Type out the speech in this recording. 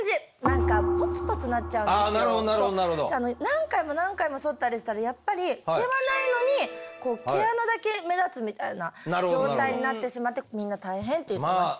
何回も何回もそったりしたらやっぱり毛はないのに毛穴だけ目立つみたいな状態になってしまってみんな大変って言ってましたね。